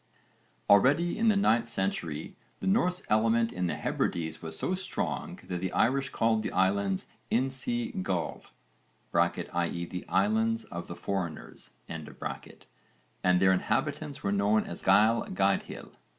Already in the 9th century the Norse element in the Hebrides was so strong that the Irish called the islands Innsi Gall (i.e. the islands of the foreigners), and their inhabitants were known as Gaill Gaedhil.